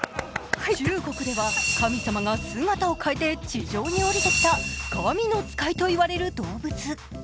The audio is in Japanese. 中国では神様が姿を変えて地上に降りてきた神の使いと呼ばれる動物。